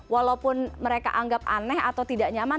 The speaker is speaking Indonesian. walaupun mereka anggap aneh atau tidak nyaman